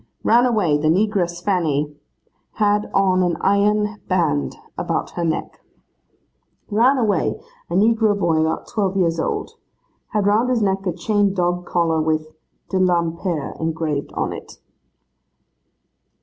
'Ran away, the negress Fanny. Had on an iron band about her neck.' 'Ran away, a negro boy about twelve years old. Had round his neck a chain dog collar with "De Lampert" engraved on it.